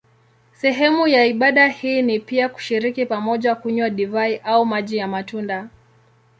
Sehemu ya ibada hii ni pia kushiriki pamoja kunywa divai au maji ya matunda.